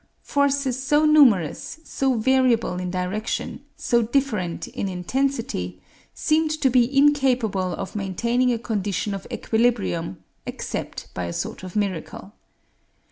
Forces so numerous, so variable in direction, so different in intensity, seemed to be incapable of maintaining a condition of equilibrium except by a sort of miracle.